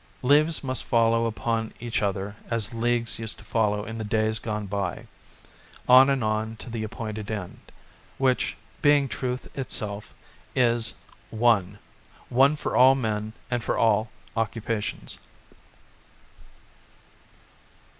Leaves must follow upon each other as leagues used to follow in the days gone by, on and on to the appointed end, which, being Truth itself, is One one for all men and for all occupations.